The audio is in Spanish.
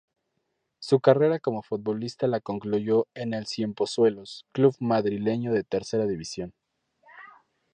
Su carrera como futbolista la concluyó en el Ciempozuelos, club madrileño de Tercera División.